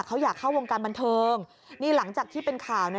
เขาอยากเข้าวงการบันเทิงนี่หลังจากที่เป็นข่าวเนี่ย